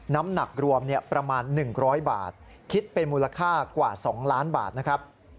น้ำหนักรวมประมาณ๑๐๐บาทคิดเป็นมูลค่ากว่า๒ล้านบาทนะครับ